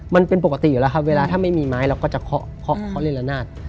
มันเป็นปกติอยู่แล้วครับเวลาถ้าไม่มีไม้เราก็จะเคาะเคาะเล่นละนาด